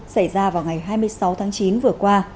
xảy ra vào ngày hai mươi sáu tháng chín vừa qua